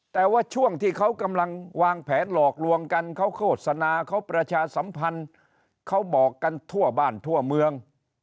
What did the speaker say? แต่ว่าช่วงที่เขากำลังวางแผนหลอกลวงกันเขาโฆษณาเขาประชาสัมพันธ์เขาบอกกันทั่วบ้านทั่วเมือง